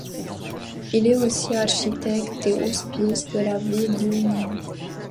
Il est aussi architecte des hospices de la ville de Nîmes.